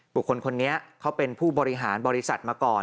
คนนี้เขาเป็นผู้บริหารบริษัทมาก่อน